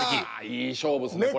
いい勝負っすねこれは。